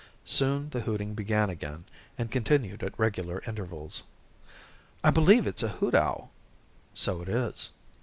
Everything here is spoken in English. Soon the hooting began again, and continued at regular intervals. "I believe it's a hoot owl." "So it is."